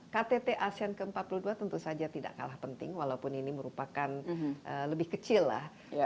ktt asean ke empat puluh dua tentu saja tidak kalah penting walaupun ini merupakan lebih kecil lah